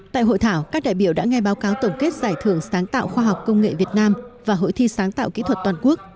tại hội thảo các đại biểu đã nghe báo cáo tổng kết giải thưởng sáng tạo khoa học công nghệ việt nam và hội thi sáng tạo kỹ thuật toàn quốc